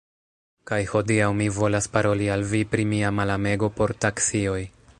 Kaj hodiaŭ mi volas paroli al vi pri mia malamego por taksioj.